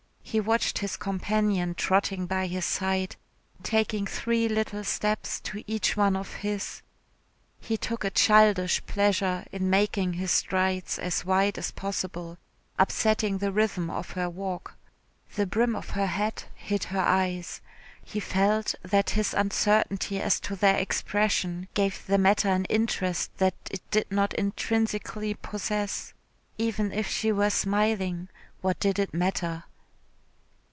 He watched his companion trotting by his side, taking three little steps to each one of his. He took a childish pleasure in making his strides as wide as possible, upsetting the rhythm of her walk. The brim of her hat hid her eyes. He felt that his uncertainty as to their expression gave the matter an interest that it did not intrinsically possess. Even if she were smiling, what did it matter?